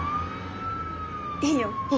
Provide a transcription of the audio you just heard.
いいよ。